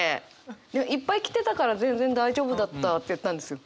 でもいっぱい着てたから全然大丈夫だったって言ったんですよ。